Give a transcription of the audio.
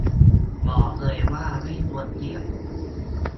บอกเลยว่าไม่ควรเสี่ยง